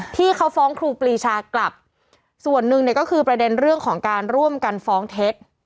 ที่เขาฟ้องครูปรีชากลับส่วนหนึ่งเนี่ยก็คือประเด็นเรื่องของการร่วมกันฟ้องเท็จ